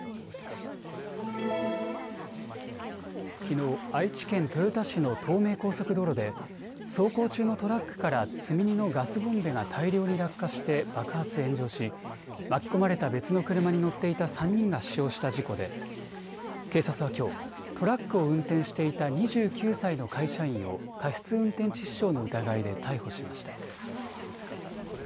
きのう、愛知県豊田市の東名高速道路で走行中のトラックから積み荷のガスボンベが大量に落下して爆発炎上し、巻き込まれた別の車に乗っていた３人が死傷した事故で、警察はきょうトラックを運転していた２９歳の会社員を過失運転致死傷の疑いで逮捕しました。